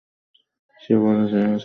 সে বলিল, সভার স্থান-পরিবর্তনটা কিছু নয়।